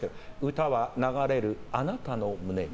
歌は流れる、あなたの胸に。